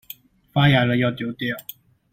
發芽了要丟掉